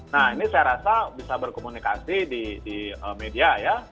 nah ini saya rasa bisa berkomunikasi di media ya